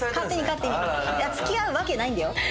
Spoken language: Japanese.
付き合うわけないんだよ。